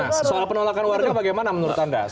nah soal penolakan warga bagaimana menurut anda